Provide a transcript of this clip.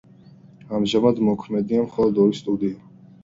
ამჟამად მოქმედია მხოლოდ ორი სტუდია.